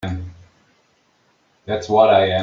That's what I am.